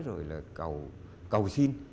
rồi là cầu xin